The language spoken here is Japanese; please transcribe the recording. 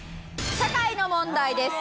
社会の問題です。